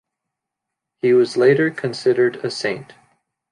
He was later considered a saint.